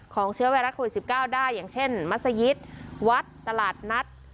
ของเชื้อแวรัสโหยสิบเก้าได้อย่างเช่นมัศยิตวัดตลาดนัด